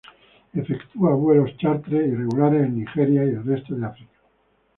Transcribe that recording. Efectúa vuelos chárter y regulares en Nigeria y el resto de África.